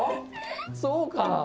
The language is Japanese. そうか。